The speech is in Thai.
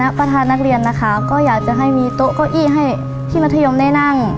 ประธานนักเรียนนะคะก็อยากจะให้มีโต๊ะเก้าอี้ให้พี่มัธยมได้นั่ง